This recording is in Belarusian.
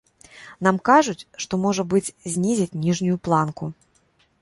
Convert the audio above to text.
Нам кажуць, што, можа быць, знізяць ніжнюю планку.